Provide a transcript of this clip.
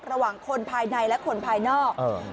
ระหว่างคนภายในและคนภายนอก